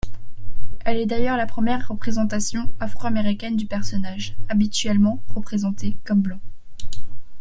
Elle est d'ailleurs la première représentation afro-américaine du personnage, habituellement représenté comme blanc.